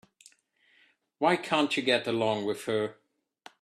Why can't you get along with her?